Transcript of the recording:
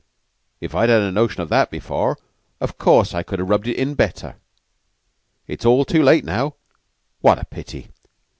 If I'd had a notion of that before, of course I could have rubbed it in better. It's too late now. What a pity!